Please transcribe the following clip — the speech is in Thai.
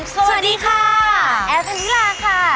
สวัสดีค่ะแอร์ฟันวิราค่ะ